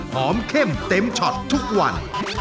เข้มเต็มช็อตทุกวัน